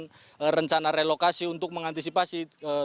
dan ini rencana relokasi untuk mengantisipasi